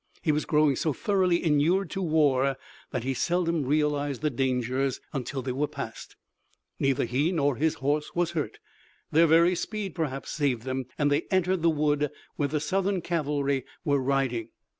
He was growing so thoroughly inured to war that he seldom realized the dangers until they were passed. Neither he nor his horse was hurt their very speed, perhaps, saved them and they entered the wood, where the Southern cavalry were riding.